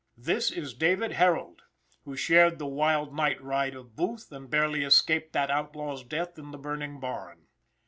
This is David Harold, who shared the wild night ride of Booth, and barely escaped that outlaw's death in the burning barn.